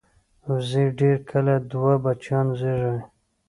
وزې ډېر کله دوه بچیان زېږوي